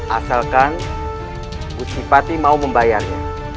asalkan gusti pati mau membayarnya